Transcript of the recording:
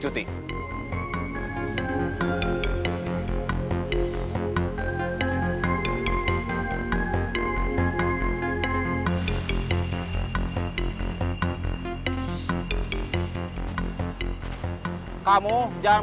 coba friday pergi